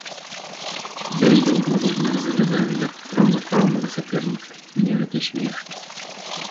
Я яе ўвогуле не разглядаю як раўнапраўнага саперніка, мне гэта смешна!